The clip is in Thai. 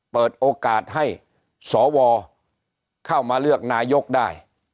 เปิดโอกาสให้สวเข้ามาเลือกนายกได้